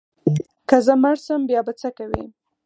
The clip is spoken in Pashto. که زه مړ شم بیا به څه کوې؟